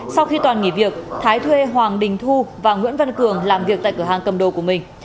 sau khi toàn nghỉ việc thái thuê hoàng đình thu và nguyễn văn cường làm việc tại cửa hàng cầm đồ của mình